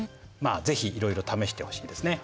是非いろいろ試してほしいですね。